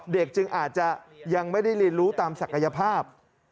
เด็กจึงอาจจะยังไม่ได้เรียนรู้ตามศักยภาพ